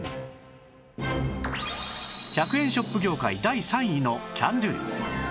１００円ショップ業界第３位のキャンドゥ